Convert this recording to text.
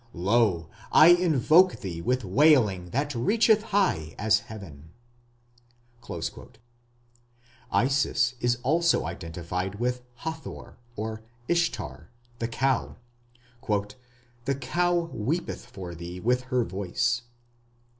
Lo! I invoke thee with wailing that reacheth high as heaven. Isis is also identified with Hathor (Ishtar) the Cow.... "The cow weepeth for thee with her voice."